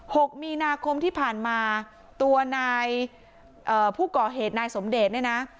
หกมีนาคมที่ผ่านมาตัวนายเอ่อผู้ก่อเหตุนายสมเดชน์เนี่ยนะ